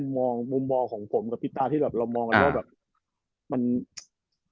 มันแค่มุมมองของผมกับพี่ตาที่เรามองกันแล้วแบบ